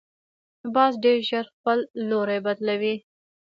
باز ډیر ژر خپل لوری بدلوي